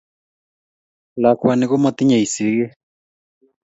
Lakwani komotinyei sigik